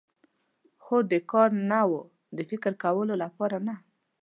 خو د کار نه و، د فکر کولو لپاره نه.